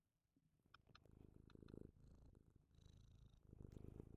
Raisi Kenyatta alisema kuwa hakuna kitakacho haribika